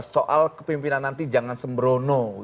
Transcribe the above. soal kepimpinan nanti jangan sembrono